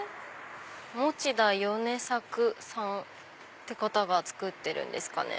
モチダヨネサクさんって方が作ってるんですかね？